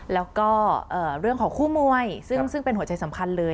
แล้วก็เรื่องของคู่มวยซึ่งเป็นหัวใจสำคัญเลย